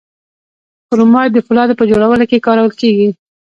کرومایټ د فولادو په جوړولو کې کارول کیږي.